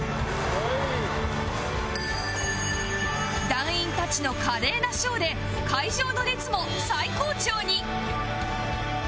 団員たちの華麗なショーで会場の熱も最高潮に